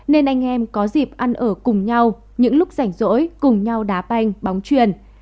nên anh em có dịp ăn ở cùng nhau những lúc rảnh rỗi cùng nhau đá banh bóng truyền